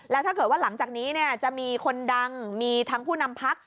แล้วถ้าเกิดว่าหลังจากนี้จะมีคนดังมีทั้งผู้นำพัก